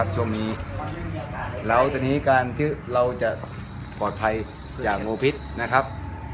ช่วงนี้เป็นการที่เราจะปลอดภัยจากงูพิษนะครับ